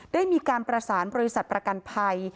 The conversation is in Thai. ได้มีการประสานบริษัทประกันภัย